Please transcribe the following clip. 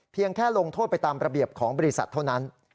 แค่ลงโทษไปตามระเบียบของบริษัทเท่านั้น